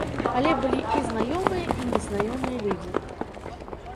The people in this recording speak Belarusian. Але былі і знаёмыя, і незнаёмыя людзі.